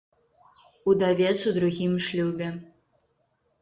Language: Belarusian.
Удавец у другім шлюбе.